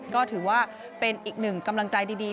ก็ถือว่าเป็นอีกหนึ่งกำลังใจดี